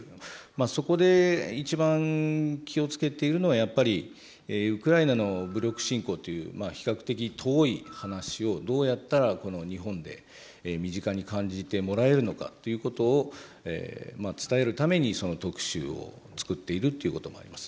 そこで一番気を付けているのはやっぱりウクライナの武力侵攻という比較的遠い話をどうやったらこの日本で身近に感じてもらえるのかということを伝えるためにその特集を作っているということもあります。